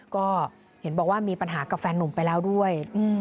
ก็เห็นบอกว่ามีปัญหากับแฟนนุ่มไปแล้วด้วย